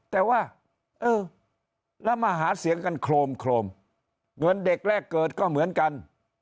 แต่ว่าเออแล้วมาหาเสียงกันโครมโครมเงินเด็กแรกเกิดก็เหมือนกัน